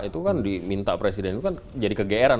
itu kan diminta presiden itu kan jadi kegeeran